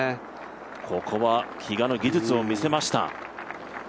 ここは比嘉の技術を見せました。